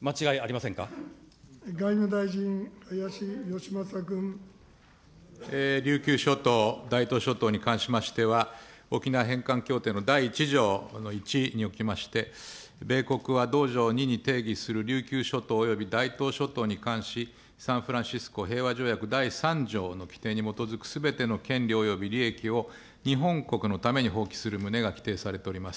外務大臣、琉球諸島、大東諸島に関しましては、沖縄返還協定の第１条の１におきまして、米国は同条２に定義する琉球諸島および大東諸島に関し、サンフランシスコ平和条約第３条の規定に基づくすべての権利および利益を日本国のために放棄する旨が規定されております。